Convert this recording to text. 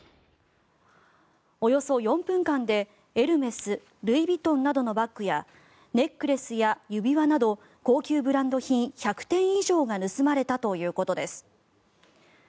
およそ４分間でエルメスルイ・ヴィトンなどのバッグやネックレスや指輪など高級ブランド品１００点以上が盗まれたということです。